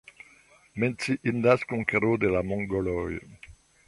Menciindas konkero de la mongoloj.